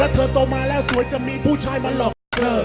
เธอโตมาแล้วสวยจะมีผู้ชายมาหลอกพวกเธอ